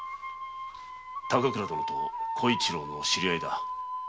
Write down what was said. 高倉殿と小一郎の知り合いだ。